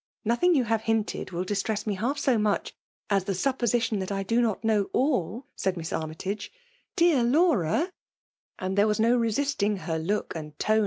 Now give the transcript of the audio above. '' Nothing yon have IdalSML wiitt distress me half so much as the supposition that I do not know all»" said Miss Amiytage« '< Sear I" And there was no resisting her look and VtmMXJR DO1MNA.